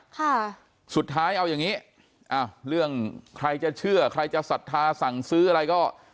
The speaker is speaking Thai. ค่ะสุดท้ายเอาอย่างงี้อ้าวเรื่องใครจะเชื่อใครจะศรัทธาสั่งซื้ออะไรก็